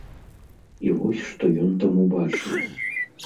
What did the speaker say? І вось што ён там убачыў.